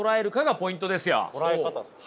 捉え方ですか？